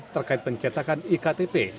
terkait pencetakan iktp